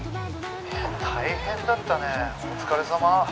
大変だったねお疲れさま。